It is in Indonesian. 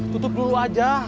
tutup dulu aja